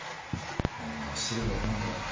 あの汁がうまいんだよ。